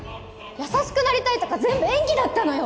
優しくなりたいとか全部演技だったのよ！